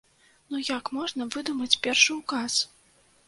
Ну як можна выдумаць першы указ?